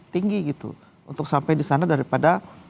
tinggi gitu untuk sampai di sana daripada